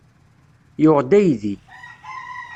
Yuɣ-d aydi.